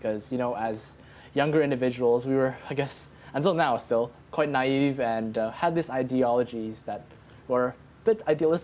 karena sebagai individu yang muda kita masih naif dan memiliki ideologi yang agak idealis